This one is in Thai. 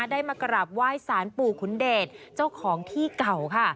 ได้มากราบไหว้สารปู่ขุนเดชเจ้าของที่เก่าค่ะ